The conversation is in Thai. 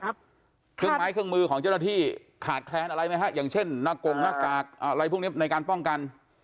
เครื่องไม้เครื่องมือของเจ้าหน้าที่ขาดแคลนอะไรไหมฮะอย่างเช่นหน้ากงหน้ากากอะไรพวกนี้ในการป้องกัน